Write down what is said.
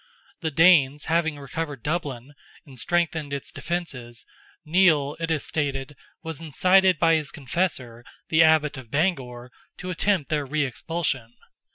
The Danes having recovered Dublin, and strengthened its defences, Nial, it is stated, was incited by his confessor, the Abbot of Bangor, to attempt their re expulsion.